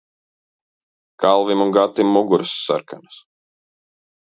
Kalvim un Gatim muguras sarkanas.